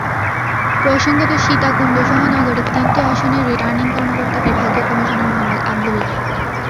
প্রসঙ্গত, সীতাকুণ্ডসহ নগরের তিনটি আসনের রিটার্নিং কর্মকর্তা বিভাগীয় কমিশনার মোহাম্মদ আবদুল্লাহ।